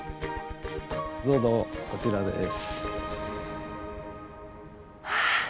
どうぞこちらです。